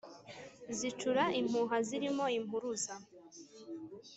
Zicura impuha zirimo impuruza